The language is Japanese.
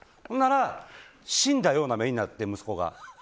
そしたら死んだような目になって、息子が。